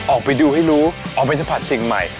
ออกไปดูให้รู้ออกไปสัมผัสสิ่งใหม่